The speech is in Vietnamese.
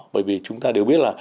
bởi vì chúng ta đều biết là